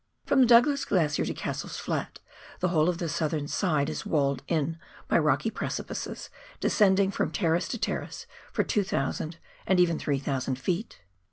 From the Douglas Glacier to Cassell's Flat the whole of the southern side is walled in by rocky precipices descending from terrace to terrace for 2,000 and even 3,000 ft.